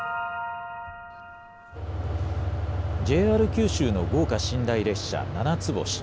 ＪＲ九州の豪華寝台列車ななつ星。